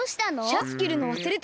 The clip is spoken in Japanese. シャツきるのわすれた。